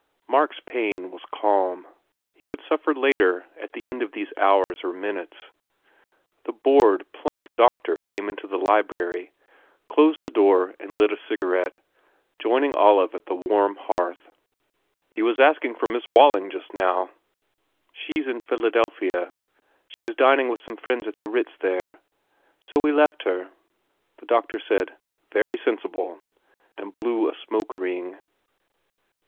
Mark s pain was calm. He would suffer later, at the end of these hours or minutes. The bored, plump doctor came into the library, closed the door and lit a cigarette, joining Olive at the warm hearth. "He was asking for Miss Walling, just now." u Ah? She s in Philadelphia. She was dining with some friends at the Ritz, there, so we left her." The doctor said, "Very sensible," and blew a smoke ring.